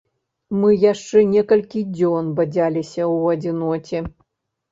Мы яшчэ некалькі дзён бадзяліся ў адзіноце.